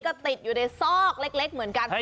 ก็ติดอยู่ในซอกเล็กเหมือนกัน